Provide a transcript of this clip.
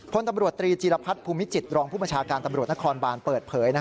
พลตำรวจตรีจีรพัฒน์ภูมิจิตรองผู้บัญชาการตำรวจนครบานเปิดเผย